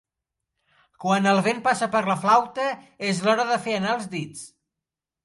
Quan el vent passa per la flauta és l'hora de fer anar els dits.